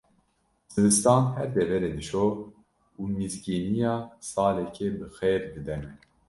Zivistan her deverê dişo û mizgîniya saleke bixêr dide me.